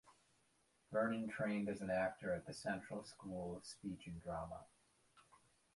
Vernon trained as an actor at the Central School of Speech and Drama.